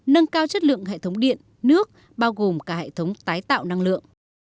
nâng cao chất lượng hệ thống điện nước bao gồm cả hệ thống tái tạo năng lượng